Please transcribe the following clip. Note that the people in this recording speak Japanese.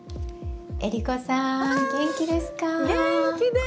江里子さん、元気ですか？